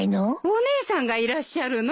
お姉さんがいらっしゃるの！？